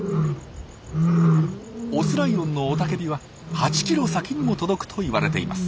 オスライオンの雄たけびは８キロ先にも届くといわれています。